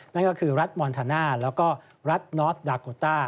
นั่นก็คือรัฐมอนทาน่าแล้วก็รัฐนอสดาโกต้า